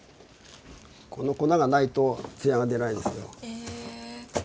この粉がないと艶が出ないんですよ。